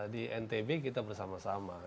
di ntb kita bersama sama